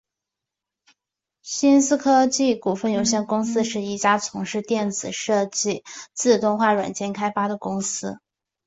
新思科技股份有限公司是一家从事电子设计自动化软件开发的公司。